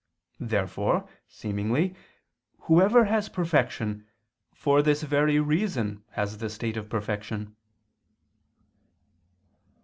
Therefore, seemingly, whoever has perfection, for this very reason has the state of perfection.